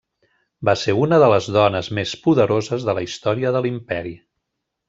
Va ser una de les dones més poderoses de la història de l'Imperi.